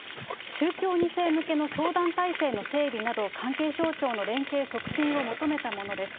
宗教２世向けの相談体制の整備など、関係省庁の連携促進を求めたものです。